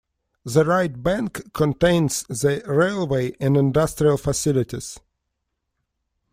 The right bank contains the railway and industrial facilities.